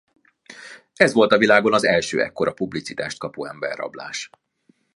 Ez volt a világon az első ekkora publicitást kapó emberrablás.